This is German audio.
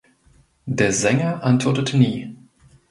Der Sänger antwortete nie.